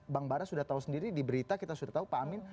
bang bara sudah tahu sendiri di berita kita sudah tahu pak amin